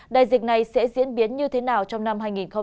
đại dịch này sẽ diễn biến như thế nào trong năm hai nghìn hai mươi